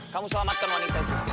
kamu selamatkan wanita